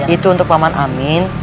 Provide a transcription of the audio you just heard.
itu untuk pak man amin